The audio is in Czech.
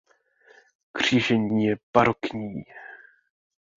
Křížení je barokní.